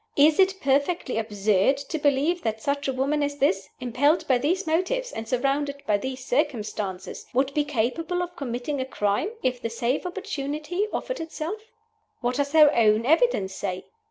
Is it perfectly absurd to believe that such a woman as this, impelled by these motives, and surrounded by these circumstances, would be capable of committing a crime if the safe opportunity offered itself? What does her own evidence say?